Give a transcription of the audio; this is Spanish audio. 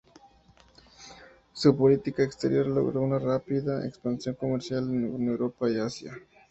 Su política exterior logró una rápida expansión comercial con Europa y Asia.